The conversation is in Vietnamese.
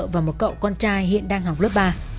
và một cậu con trai hiện đang học lớp ba